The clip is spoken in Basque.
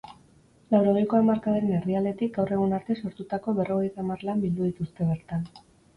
Laurogeiko hamarkadaren erdialdetik gaur egun arte sortutako berrogeita hamar lan bildu dituzte bertan.